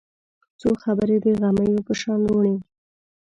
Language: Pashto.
څو خبرې د غمیو په شان روڼې